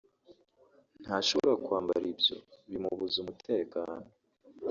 ntashobora kwambara ibyo bimubuza umutekano